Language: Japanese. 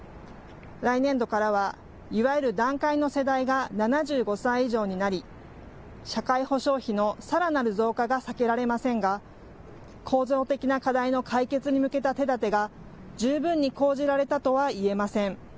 来年度からはいわゆる団塊の世代が７５歳以上になり社会保障費のさらなる増加が避けられませんが構造的な課題の解決に向けた手だてが十分に講じられたとはいえません。